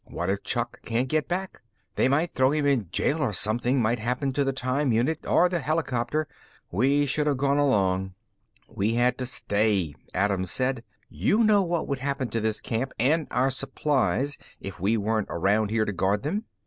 What if Chuck can't get back? They might throw him in jail or something might happen to the time unit or the helicopter. We should have gone along." "We had to stay," Adams said. "You know what would happen to this camp and our supplies if we weren't around here to guard them."